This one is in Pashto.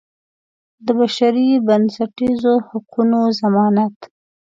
د بشري بنسټیزو حقوقو ضمانت.